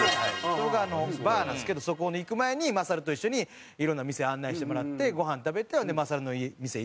これがバーなんですけどそこに行く前にマサルと一緒にいろんな店を案内してもらってごはん食べてほんでマサルの店行ってとか。